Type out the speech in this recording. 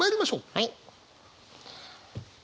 はい。